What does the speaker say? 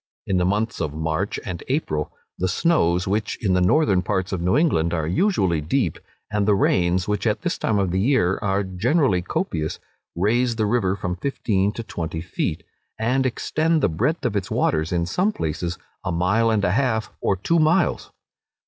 In the months of March and April, the snows, which in the northern parts of New England are usually deep, and the rains, which at this time of the year are generally copious, raise the river from fifteen to twenty feet, and extend the breadth of its waters in some places a mile and a half, or two miles.